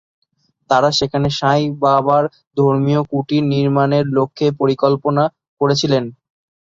তারা সেখানে সাঁই বাবার ধর্মীয় কুটির নির্মাণের লক্ষ্যে পরিকল্পনা করেছিলেন।